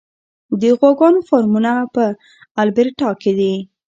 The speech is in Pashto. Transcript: د غواګانو فارمونه په البرټا کې دي.